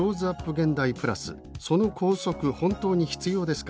現代＋「その校則、本当に必要ですか？